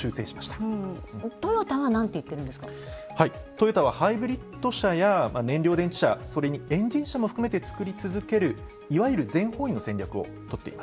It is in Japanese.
トヨタはハイブリッド車や燃料電池車それにエンジン車も含めて作り続けるいわゆる全方位の戦略を取っています。